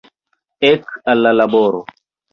Ek, al la laboro!